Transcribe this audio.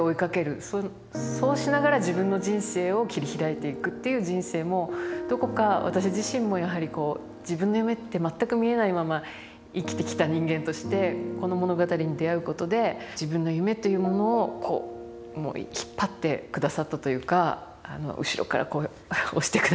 そうしながら自分の人生を切り開いていくっていう人生もどこか私自身もやはりこう自分の夢って全く見えないまま生きてきた人間としてこの物語に出会うことで自分の夢というものをこう引っ張ってくださったというか後ろからこう押してくださったというか。